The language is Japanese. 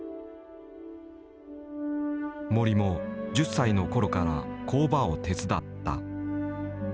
森も１０歳のころから工場を手伝った。